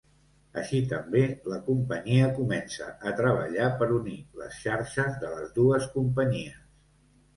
Així també la companyia comença a treballar per unir les xarxes de les dues companyies.